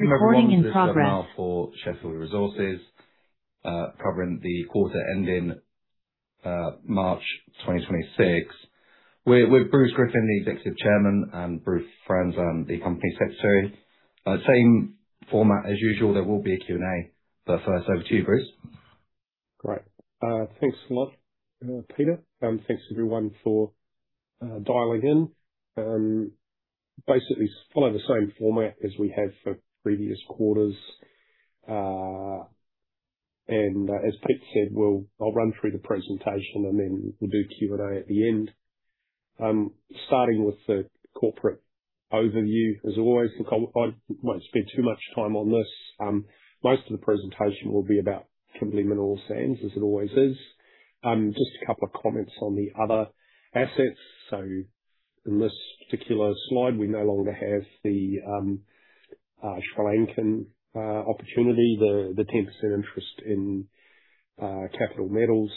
Number one in this journal for Sheffield Resources, covering the quarter ending March 2026. With Bruce Griffin, the Executive Chairman, and Bruce Franzen, the Company Secretary. Same format as usual. There will be a Q&A. First over to you, Bruce. Great. Thanks a lot, Peter. Thanks everyone for dialing in. Basically follow the same format as we have for previous quarters. As Pete said, I'll run through the presentation and then we'll do Q&A at the end. Starting with the corporate overview. As always, look I won't spend too much time on this. Most of the presentation will be about Kimberley Mineral Sands, as it always is. Just a couple of comments on the other assets. In this particular slide, we no longer have the Sri Lankan opportunity, the 10% interest in Capital Metals.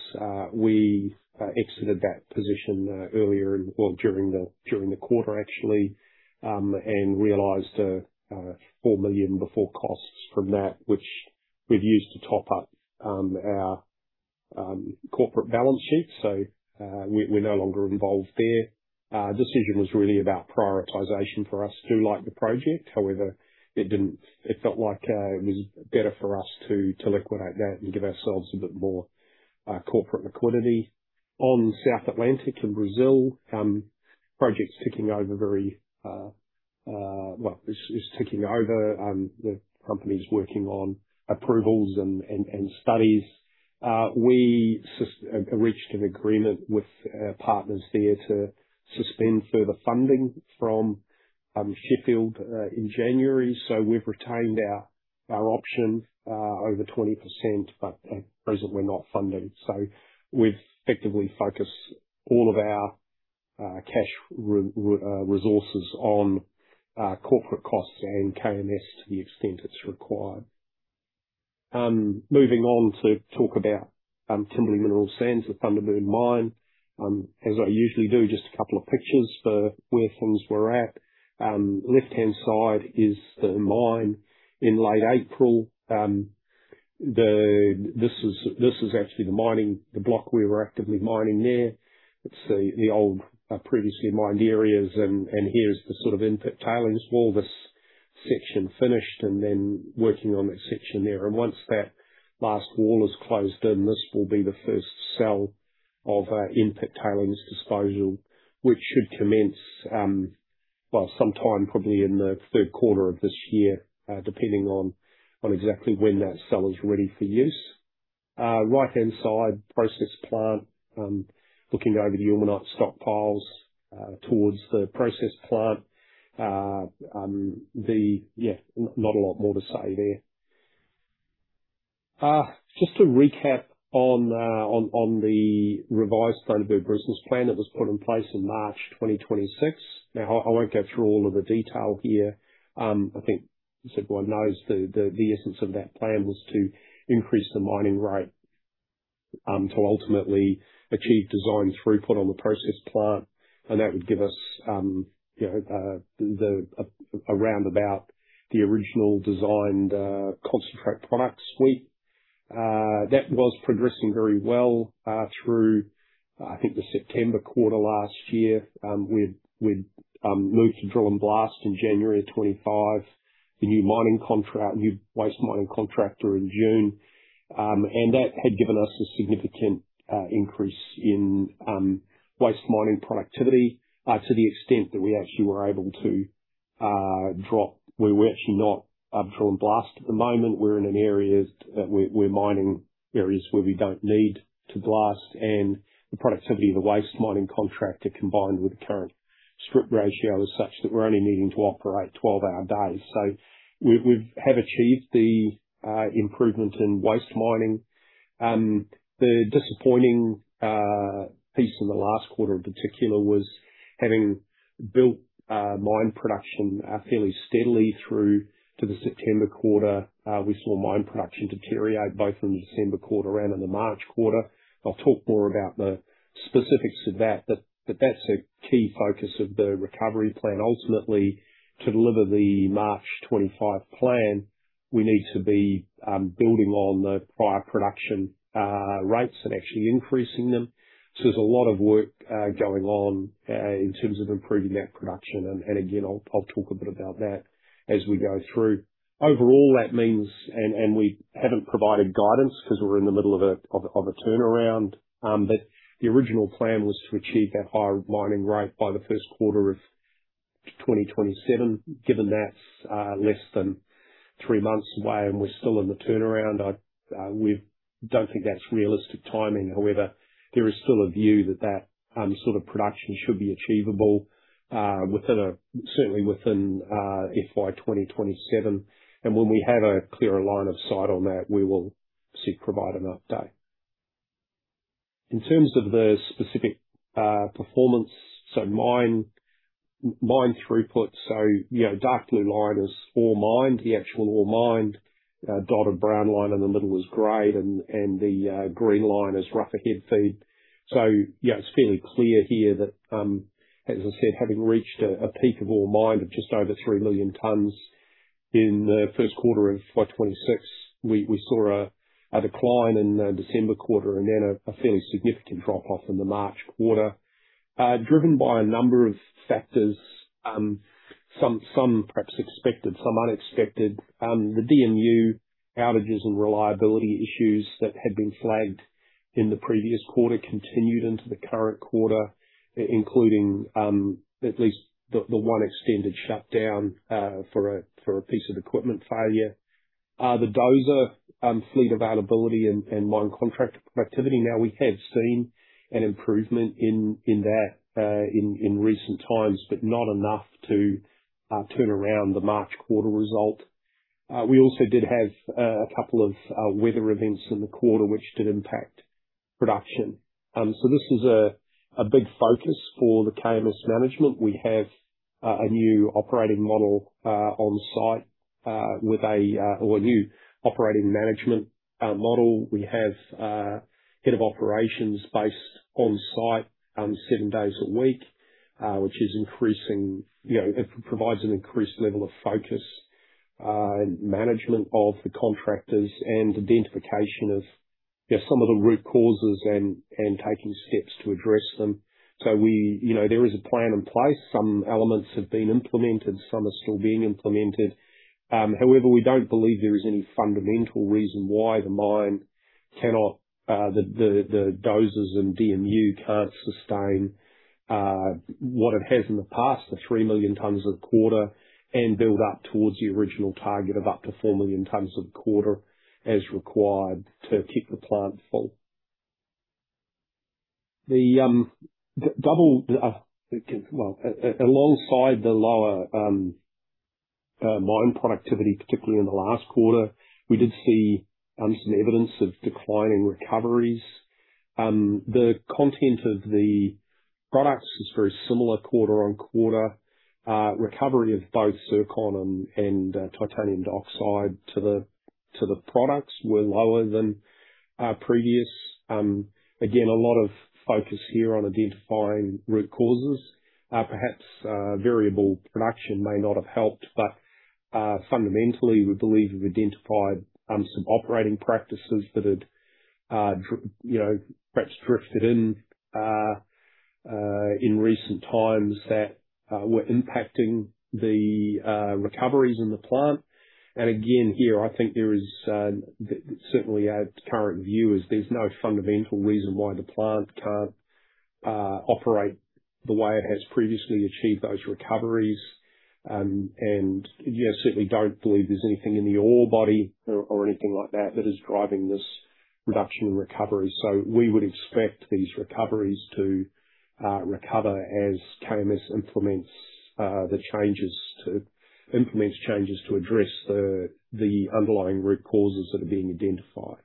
We exited that position earlier in. Well, during the quarter actually, realized 4 million before costs from that, which we've used to top up our corporate balance sheet. We're no longer involved there. Decision was really about prioritization for us. Do like the project, however, it felt like it was better for us to liquidate that and give ourselves a bit more corporate liquidity. On South Atlantic in Brazil, well, it's ticking over. The company's working on approvals and studies. We reached an agreement with partners there to suspend further funding from Sheffield in January. We've retained our option over 20%, presently not funded. We've effectively focused all of our cash resources on corporate costs and KMS to the extent it's required. Moving on to talk about Kimberley Mineral Sands, the Thunderbird Mine. As I usually do, just a couple of pictures for where things were at. Left-hand side is the mine in late April. This is actually the block we were actively mining there. It's the old, previously mined areas and here's the sort of in-pit tailings wall. This section finished and then working on that section there. Once that last wall is closed in, this will be the first cell of in-pit tailings disposal, which should commence sometime probably in the 3rd quarter of this year, depending on exactly when that cell is ready for use. Right-hand side, process plant. Looking over the ilmenite stockpiles towards the process plant. Not a lot more to say there. Just to recap on the revised Thunderbird business plan that was put in place in March 2026. I won't go through all of the detail here. I think everyone knows the essence of that plan was to increase the mining rate to ultimately achieve design throughput on the process plant. That would give us, you know, around about the original designed concentrate product suite. That was progressing very well through I think the September quarter last year. We'd moved to drill and blast in January of 2025. The new waste mining contract were in June. That had given us a significant increase in waste mining productivity to the extent that we actually were able to. We're in an area, we're mining areas where we don't need to blast. The productivity of the waste mining contractor, combined with the current strip ratio, is such that we're only needing to operate 12-hour days. We've achieved the improvements in waste mining. The disappointing piece in the last quarter in particular was having built mine production fairly steadily through to the September quarter. We saw mine production deteriorate both in the December quarter and in the March quarter. I'll talk more about the specifics of that, but that's a key focus of the recovery plan. Ultimately, to deliver the March 2025 plan, we need to be building on the prior production rates and actually increasing them. There's a lot of work going on in terms of improving that production. Again, I'll talk a bit about that as we go through. Overall, that means we haven't provided guidance because we're in the middle of a turnaround. The original plan was to achieve that higher mining rate by the first quarter of 2027. Given that's less than three months away and we're still in the turnaround, we don't think that's realistic timing. However, there is still a view that sort of production should be achievable certainly within FY 2027. When we have a clearer line of sight on that, we will seek provide an update. In terms of the specific performance. Mine throughput. You know, dark blue line is ore mined, the actual ore mined. Dotted brown line in the middle is grade and the green line is rougher head feed. It's fairly clear here that, as I said, having reached a peak of ore mined of just over 3 million tons in the first quarter of FY 2026, we saw a decline in the December quarter and then a fairly significant drop-off in the March quarter, driven by a number of factors. Some perhaps expected, some unexpected. The DMU outages and reliability issues that had been flagged in the previous quarter continued into the current quarter, including at least the one extended shutdown for a piece of equipment failure. The dozer fleet availability and mine contract productivity. Now, we have seen an improvement in that in recent times, but not enough to turn around the March quarter result. We also did have a couple of weather events in the quarter, which did impact production. This is a big focus for the KMS management. We have a new operating model on site with a new operating management model. We have a head of operations based on site, seven days a week, which is increasing. You know, it provides an increased level of focus and management of the contractors and identification of, you know, some of the root causes and taking steps to address them. We, you know, there is a plan in place. Some elements have been implemented, some are still being implemented. However, we don't believe there is any fundamental reason why the mine cannot, the dozers and DMU can't sustain what it has in the past, the 3 million tons a quarter, and build up towards the original target of up to 4 million tons a quarter, as required to keep the plant full. Well, alongside the lower mine productivity, particularly in the last quarter, we did see some evidence of declining recoveries. The content of the products is very similar quarter-on-quarter. Recovery of both Zircon and titanium dioxide to the products were lower than previous. Again, a lot of focus here on identifying root causes. Perhaps variable production may not have helped, but fundamentally, we believe we've identified some operating practices that had perhaps drifted in recent times that were impacting the recoveries in the plant. Again, here, I think there is certainly our current view is there's no fundamental reason why the plant can't operate the way it has previously achieved those recoveries. Certainly don't believe there's anything in the ore body or anything like that is driving this reduction in recovery. We would expect these recoveries to recover as KMS implements the changes to address the underlying root causes that are being identified.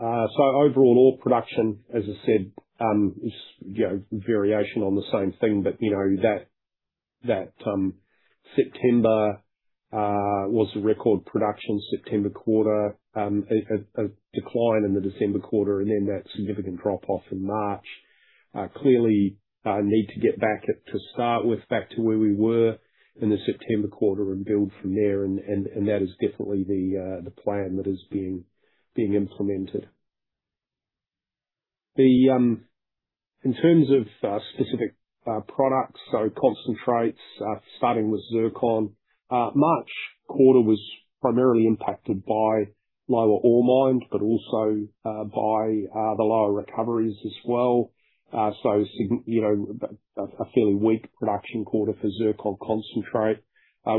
Overall ore production, as I said, is, you know, variation on the same thing, but you know, that September was a record production September quarter, a decline in the December quarter and then that significant drop-off in March. Clearly, need to get back at, to start with, back to where we were in the September quarter and build from there and that is definitely the plan that is being implemented. In terms of specific products, so concentrates, starting with zircon. March quarter was primarily impacted by lower ore mined, but also by the lower recoveries as well. You know, a fairly weak production quarter for zircon concentrate.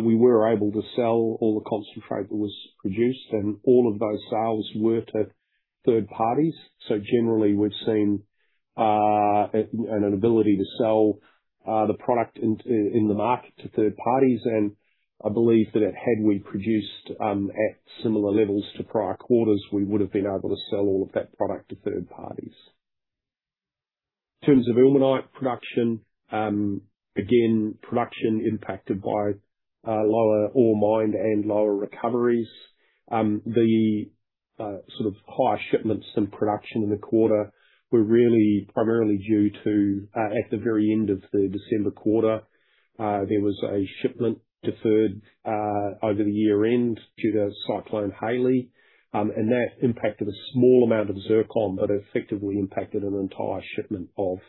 We were able to sell all the concentrate that was produced, all of those sales were to third parties. Generally, we've seen an ability to sell the product in the market to third parties. I believe that had we produced at similar levels to prior quarters, we would have been able to sell all of that product to third parties. In terms of ilmenite production, again, production impacted by lower ore mined and lower recoveries. The sort of higher shipments than production in the quarter were really primarily due to at the very end of the December quarter, there was a shipment deferred over the year-end due to Cyclone Hayley. That impacted a small amount of Zircon, but effectively impacted an entire shipment of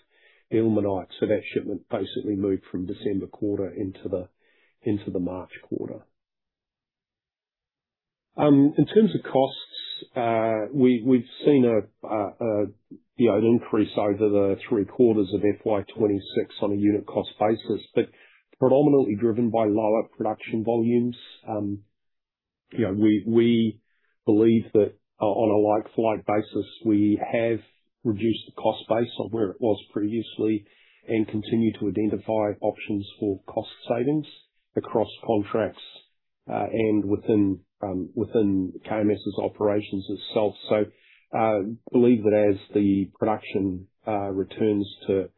Ilmenite. That shipment basically moved from December quarter into the March quarter. In terms of costs, we've seen a, you know, an increase over the three quarters of FY 2026 on a unit cost basis, but predominantly driven by lower production volumes. You know, we believe that on a like-for-like basis, we have reduced the cost base of where it was previously and continue to identify options for cost savings across contracts and within KMS' operations itself. Believe that as the production returns to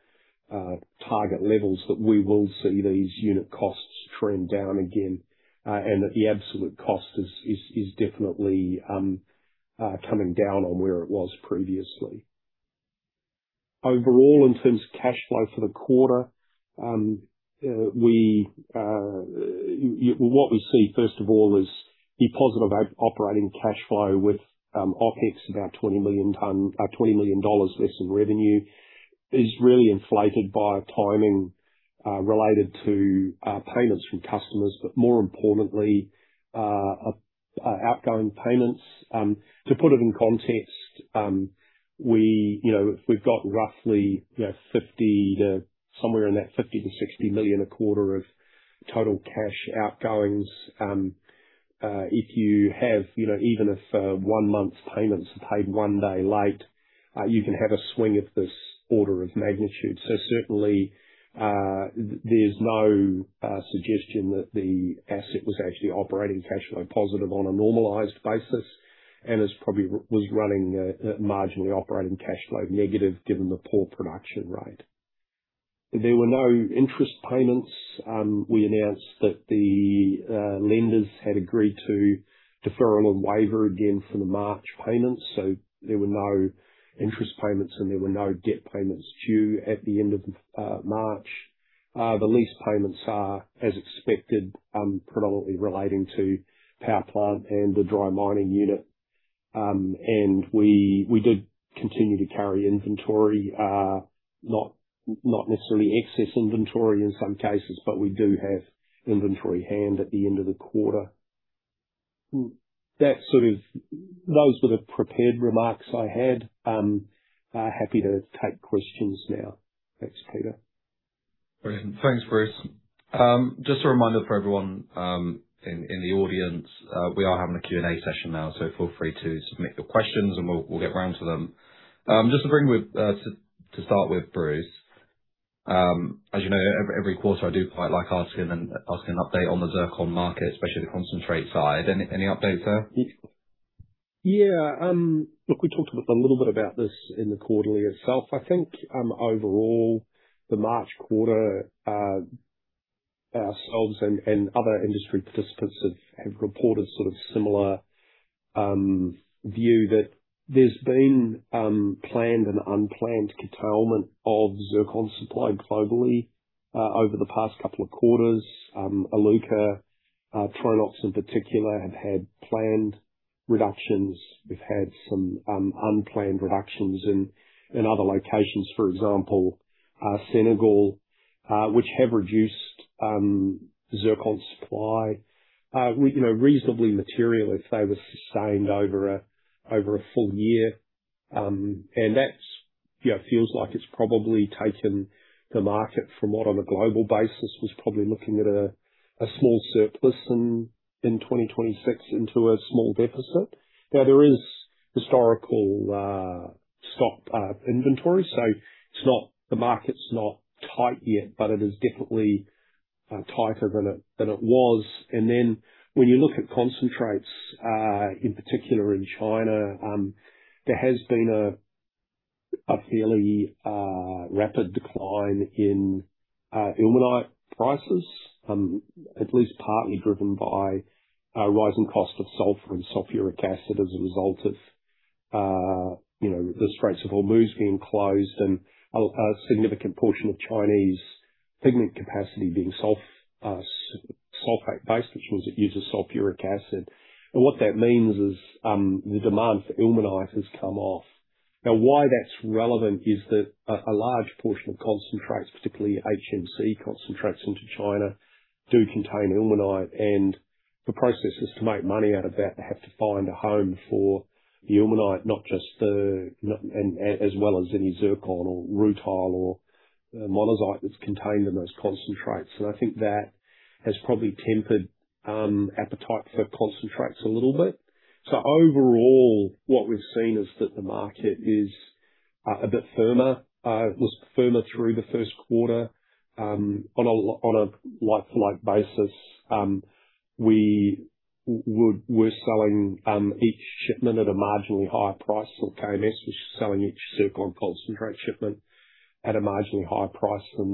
target levels, that we will see these unit costs trend down again, and that the absolute cost is definitely coming down on where it was previously. Overall, in terms of cash flow for the quarter, what we see first of all is the positive operating cash flow with OpEx about 20 million dollars less in revenue is really inflated by timing related to payments from customers, but more importantly, outgoing payments. To put it in context, we, you know, we've got roughly, you know, 50 million-60 million a quarter of total cash outgoings. If you have, you know, even if one month's payments are paid one day late, you can have a swing of this order of magnitude. Certainly, there's no suggestion that the asset was actually operating cash flow positive on a normalized basis, and was running a marginally operating cash flow negative given the poor production rate. There were no interest payments. We announced that the lenders had agreed to deferral and waiver again for the March payments. There were no interest payments and there were no debt payments due at the end of March. The lease payments are as expected, predominantly relating to power plant and the dry mining unit. We did continue to carry inventory, not necessarily excess inventory in some cases, but we do have inventory on hand at the end of the quarter. Those were the prepared remarks I had. Happy to take questions now. Thanks, Peter. Brilliant. Thanks, Bruce. Just a reminder for everyone, in the audience, we are having a Q&A session now, so feel free to submit your questions and we'll get round to them. Just to start with, Bruce, as you know, every quarter, I do quite like asking an update on the Zircon market, especially the concentrate side. Any updates there? Look, we talked a little bit about this in the quarterly itself. I think, overall, the March quarter, ourselves and other industry participants have reported sort of similar view that there's been planned and unplanned curtailment of Zircon supply globally over the past two quarters. Iluka, Tronox in particular have had planned reductions. We've had some unplanned reductions in other locations, for example, Senegal, which have reduced Zircon supply, you know, reasonably material if they were sustained over a full-year. That's, you know, feels like it's probably taken the market from what on a global basis was probably looking at a small surplus in 2026 into a small deficit. Now there is historical stock inventory, so it's not, the market's not tight yet, but it is definitely tighter than it was. When you look at concentrates in particular in China, there has been a fairly rapid decline in Ilmenite prices, at least partly driven by rising cost of sulfur and sulfuric acid as a result of, you know, the Straits of Hormuz being closed and a significant portion of Chinese pigment capacity being sulfate-based, which means it uses sulfuric acid. What that means is, the demand for Ilmenite has come off. Why that's relevant is that a large portion of concentrates, particularly HMC concentrates into China, do contain Ilmenite and the processes to make money out of that have to find a home for the Ilmenite, not just the, and as well as any Zircon or Rutile or Monazite that's contained in those concentrates. I think that has probably tempered appetite for concentrates a little bit. Overall, what we've seen is that the market is a bit firmer. It was firmer through the first quarter on a like-for-like basis. We were selling each shipment at a marginally higher price, or KMS was selling each Zircon concentrate shipment at a marginally higher price than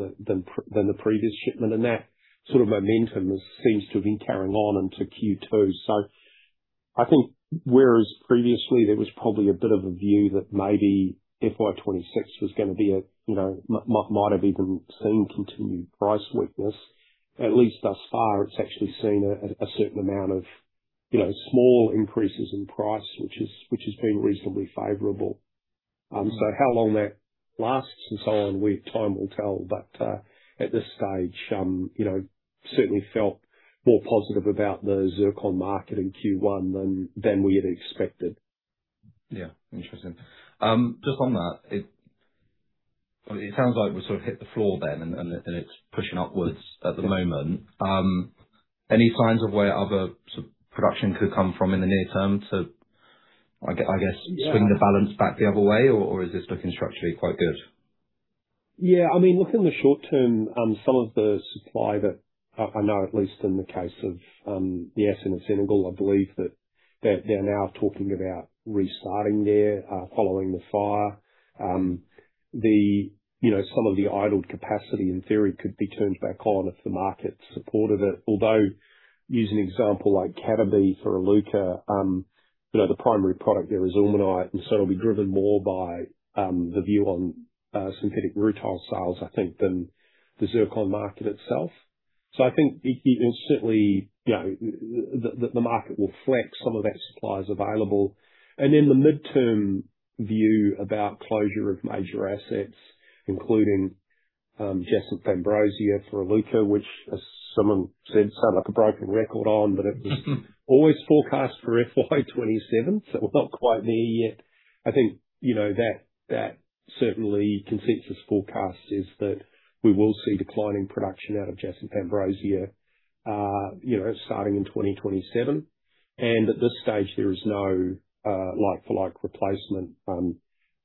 the previous shipment. That sort of momentum has seems to have been carrying on into Q2. I think whereas previously there was probably a bit of a view that maybe FY 2026 was gonna be a, you know, might have even seen continued price weakness. At least thus far, it's actually seen a certain amount of, you know, small increases in price, which has been reasonably favorable. How long that lasts and so on, time will tell. At this stage, you know, certainly felt more positive about the Zircon market in Q1 than we had expected. Yeah. Interesting. Just on that, it sounds like we've sort of hit the floor then, and it's pushing upwards at the moment. Any signs of where other sort of production could come from in the near term to I guess? Yeah. swing the balance back the other way, or is this looking structurally quite good? Yeah. I mean, look, in the short-term, some of the supply that I know at least in the case of, the asset in Senegal, I believe that they're now talking about restarting there, following the fire. The, you know, some of the idled capacity in theory could be turned back on if the market supported it. Use an example like Cataby for Iluka. You know, the primary product there is ilmenite, and so it'll be driven more by, the view on, synthetic rutile sales, I think, than the zircon market itself. I think it certainly, you know, the market will flex some of that supply is available. The midterm view about closure of major assets, including Jacinth-Ambrosia for Iluka, which, as Simon said, sound like a broken record on, it was always forecast for FY 2027, we're not quite there yet. I think, you know, that certainly consensus forecast is that we will see declining production out of Jacinth-Ambrosia, you know, starting in 2027. At this stage there is no like for like replacement,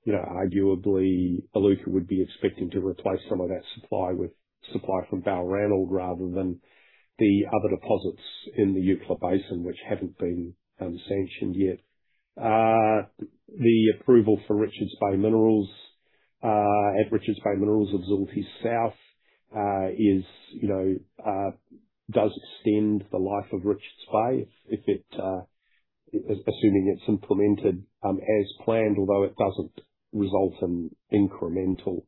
you know, arguably Iluka would be expecting to replace some of that supply with supply from Balranald rather than the other deposits in the Eucla Basin, which haven't been sanctioned yet. The approval for Richards Bay Minerals at Richards Bay Minerals' of Zulti South is, you know, does extend the life of Richards Bay if it assuming it's implemented as planned, although it doesn't result in incremental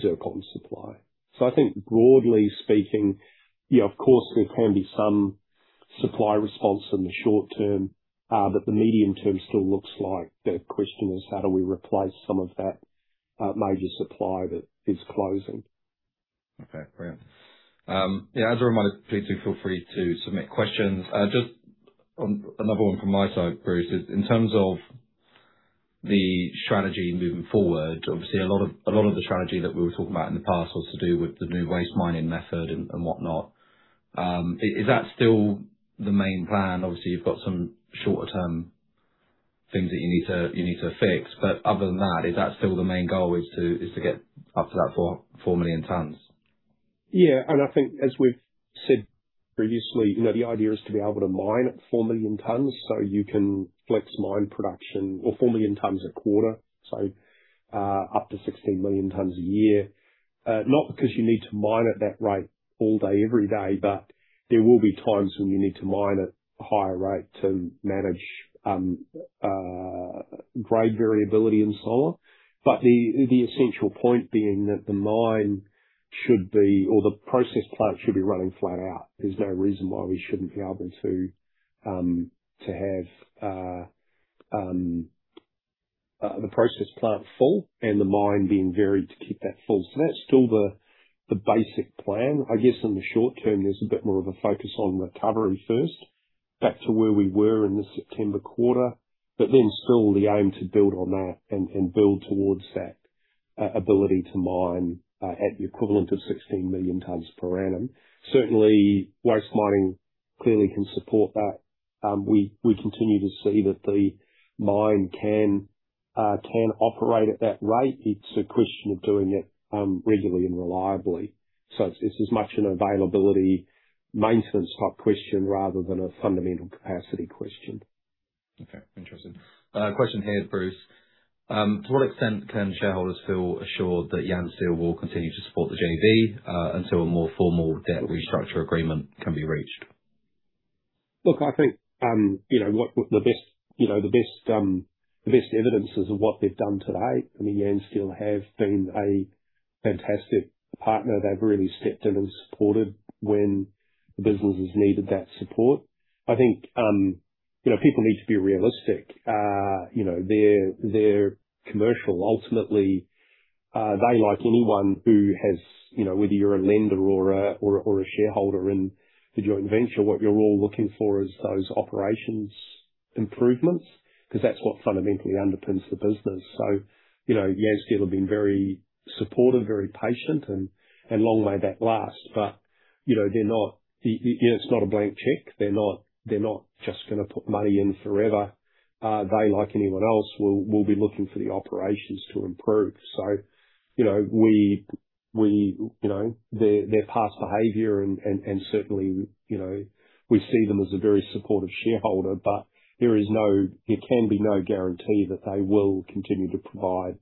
Zircon supply. I think broadly speaking, yeah, of course there can be some supply response in the short term. The medium term still looks like the question is how do we replace some of that major supply that is closing. Okay, great. Yeah, as a reminder, please do feel free to submit questions. Just on another one from my side, Bruce, is in terms of the strategy moving forward, obviously a lot of the strategy that we were talking about in the past was to do with the new waste mining method and whatnot. Is that still the main plan? Obviously, you've got some shorter term things that you need to fix, other than that, is that still the main goal is to get up to that 4 million tons? Yeah. I think as we've said previously, you know, the idea is to be able to mine at 4 million tons, so you can flex mine production or 4 million tons a quarter, so up to 16 million tons a year. Not because you need to mine at that rate all day, every day, but there will be times when you need to mine at a higher rate to manage grade variability and so on. The essential point being that the mine should be, or the process plant should be running flat out. There's no reason why we shouldn't be able to have the process plant full and the mine being varied to keep that full. That's still the basic plan. I guess in the short-term there's a bit more of a focus on recovery first, back to where we were in the September quarter. Still the aim to build on that and build towards that ability to mine at the equivalent of 16 million tons per annum. Certainly waste mining clearly can support that. We continue to see that the mine can operate at that rate. It's a question of doing it regularly and reliably. It's as much an availability maintenance type question rather than a fundamental capacity question. Okay. Interesting. Question here, Bruce. To what extent can shareholders feel assured that Yansteel will continue to support the JV until a more formal debt restructure agreement can be reached? I think, you know, with the best evidences of what they've done to date, I mean, Yansteel have been a fantastic partner. They've really stepped in and supported when the businesses needed that support. I think, you know, people need to be realistic. You know, they're commercial. Ultimately, they, like anyone who has, you know, whether you're a lender or a shareholder in the joint venture, what you're all looking for is those operations improvements, 'cause that's what fundamentally underpins the business. You know, Yansteel have been very supportive, very patient, and long may that last. You know, they're not a blank check. They're not just gonna put money in forever. They, like anyone else, will be looking for the operations to improve. You know, we, you know, their past behavior and certainly, you know, we see them as a very supportive shareholder, but there can be no guarantee that they will continue to provide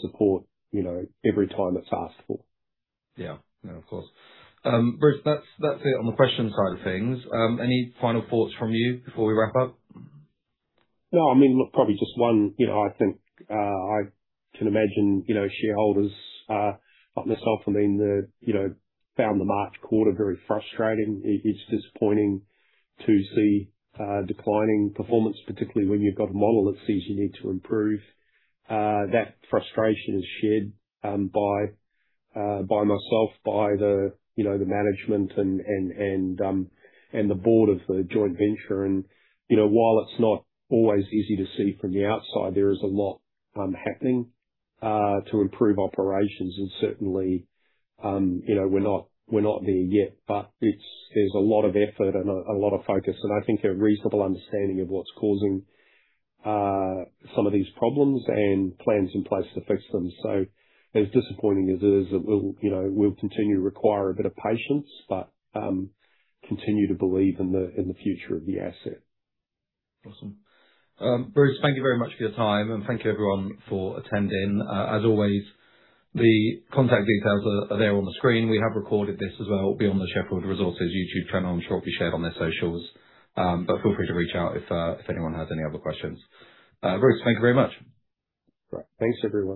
support, you know, every time it's asked for. Yeah. No, of course. Bruce, that's it on the question side of things. Any final thoughts from you before we wrap up? No, I mean, look, probably just one. You know, I think, I can imagine, you know, shareholders, like myself, I mean, you know, found the March quarter very frustrating. It's disappointing to see declining performance, particularly when you've got a model that says you need to improve. That frustration is shared by myself, by the, you know, the management and the Board of the joint venture. You know, while it's not always easy to see from the outside, there is a lot happening to improve operations. Certainly, you know, we're not there yet. There's a lot of effort and a lot of focus. I think a reasonable understanding of what's causing some of these problems and plans in place to fix them. As disappointing as it is, it will, you know, will continue to require a bit of patience, but, continue to believe in the future of the asset. Awesome. Bruce, thank you very much for your time, and thank you everyone for attending. As always, the contact details are there on the screen. We have recorded this as well. It will be on the Sheffield Resources YouTube channel. I'm sure it'll be shared on their socials. Feel free to reach out if anyone has any other questions. Bruce, thank you very much. Great. Thanks, everyone.